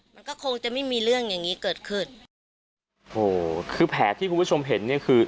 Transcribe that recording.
มันก็คงจะไม่มีเรื่องอย่างงี้เกิดขึ้นโอ้โหคือแผลที่คุณผู้ชมเห็นเนี้ยคือ